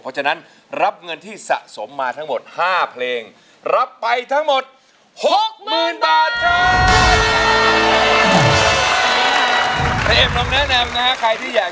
เพราะฉะนั้นรับเงินที่สะสมมาทั้งหมด๕เพลงรับไปทั้งหมด๖๐๐๐บาทครับ